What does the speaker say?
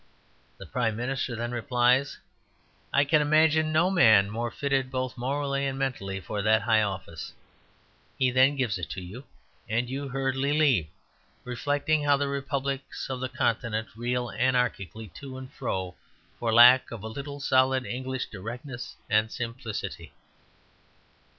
The Prime Minister then replies, "I can imagine no man more fitted both morally and mentally for that high office." He then gives it you, and you hurriedly leave, reflecting how the republics of the Continent reel anarchically to and fro for lack of a little solid English directness and simplicity.